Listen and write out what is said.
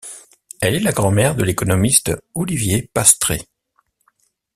Elle est la grand-mère de l’économiste Olivier Pastré.